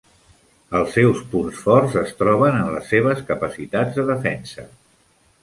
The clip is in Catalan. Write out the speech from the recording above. Els seus punts forts es troben en les seves capacitats de defensa.